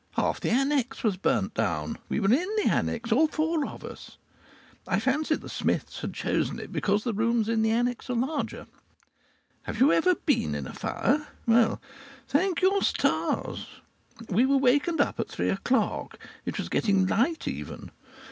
Half the annexe was burnt down. We were in the annexe, all four of us. I fancy the Smiths had chosen it because the rooms in the annexe are larger. Have you ever been in a fire?... Well, thank your stars! We were wakened up at three o'clock. It was getting light, even.